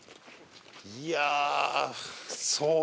いやあそう。